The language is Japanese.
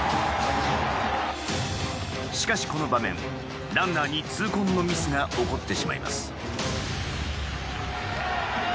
しかしこの場面ランナーに痛恨のミスが起こってしまいます。